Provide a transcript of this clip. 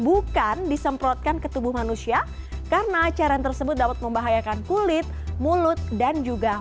bukan disemprotkan ke tubuh manusia karena cairan tersebut dapat membahayakan kulit mulut dan juga